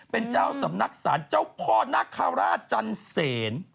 เป็นเจ้าสำนักศาลเจ้าพ่อนาคาราชจันเสน